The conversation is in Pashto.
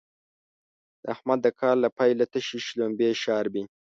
احمد د کال له پيله تشې شلومبې شاربي.